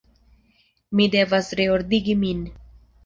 Mi devas reordigi min.